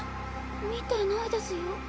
見てないですよ。